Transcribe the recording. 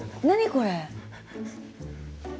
何これ？